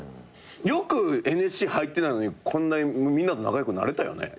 よくＮＳＣ入ってないのにこんなにみんなと仲良くなれたよね。